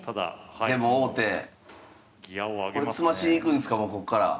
これ詰ましに行くんすかもうこっから。